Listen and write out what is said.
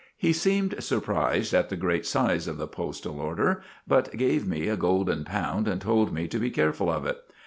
Me seemed surprised at the great size of the postal order, but gave me a golden pound and told me to be careful of it.